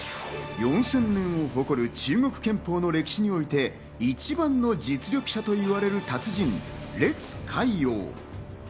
４０００年を誇る中国拳法の歴史において、一番の実力者といわれる達人・烈海王。